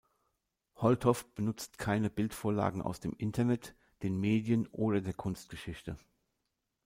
Holthoff benutzt keine Bildvorlagen aus dem Internet, den Medien oder der Kunstgeschichte.